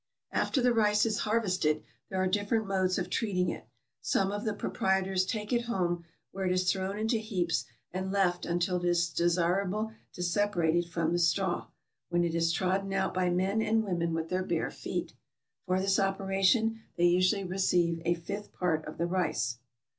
After the rice is harvested, there are different modes of treating it. Some of the proprietors take it home, where it is thrown into heaps and left until it is desirable to sep arate it from the straw, when it is trodden out by men and women with their bare feet. For this operation they usually receive a fifth part of the rice.